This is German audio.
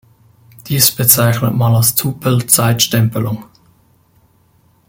Dies bezeichnet man als Tupel-Zeitstempelung.